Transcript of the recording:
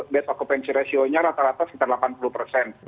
bed occupancy ratio nya rata rata sekitar delapan puluh persen